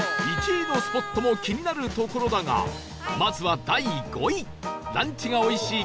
１位のスポットも気になるところだがまずは第５位ランチがおいしい